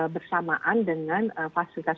bersamaan dengan fasilitas